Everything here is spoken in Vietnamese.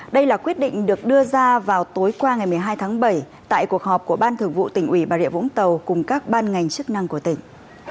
đây là quyết định được đưa ra vào tối qua ngày một mươi hai tháng bảy tại cuộc họp của ban thường vụ tỉnh ủy bà rịa vũng tàu cùng các ban ngành chức năng của tỉnh